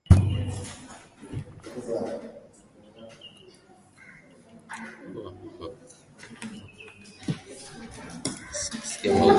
naam aa ni raha ilioje msikilizaji kipindi ni habari rafiki na msikilizaji basi